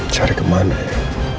cari kemana ya